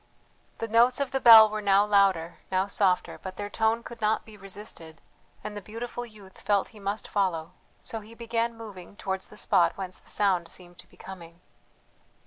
The notes of the bell were now louder, now softer; but their tone could not be resisted, and the beautiful youth felt he must follow; so he began moving towards the spot whence the sound seemed to be coming.